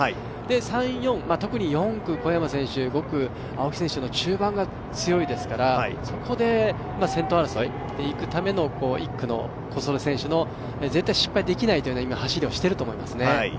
３、４、特に４区の小山選手、５区・青木選手の中盤が強いですからそこで先頭争いに行くための１区の小袖選手の、絶対失敗できないという走りをしていると思いますね。